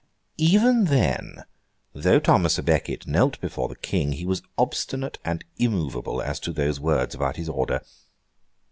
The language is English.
Even then, though Thomas à Becket knelt before the King, he was obstinate and immovable as to those words about his order.